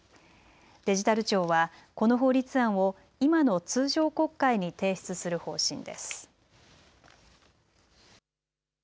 デジタル庁は、この法律案を今の通常国会に提出する方針です。